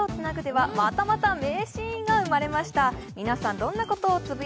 「夕暮れに、手をつなぐ」ではまたまた名シーンが生まれました。